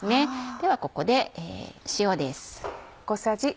ではここで塩です。